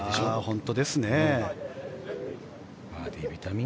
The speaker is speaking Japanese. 本当ですね。